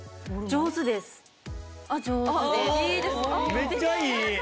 めっちゃいい！